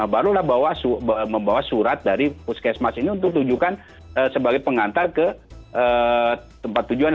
barulah membawa surat dari puskesmas ini untuk tunjukkan sebagai pengantar ke tempat tujuan